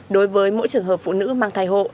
đối với mỗi trường hợp phụ nữ mang thai hộ